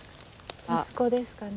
息子ですかね。